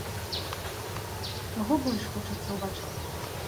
Каго больш хочацца ўбачыць?